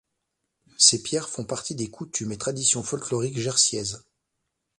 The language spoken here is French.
Ces pierres font partie des coutumes et traditions folkloriques jersiaises.